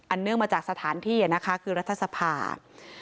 เนื่องมาจากสถานที่นะคะคือรัฐสภา